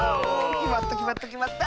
きまったきまったきまった！